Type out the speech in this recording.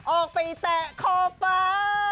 ออกไปแตะขอบฟ้า